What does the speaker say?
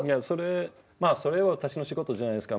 それ私の仕事じゃないですか。